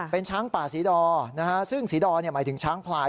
เป็นช้างป่าศรีดอนะฮะซึ่งศรีดอหมายถึงช้างพลาย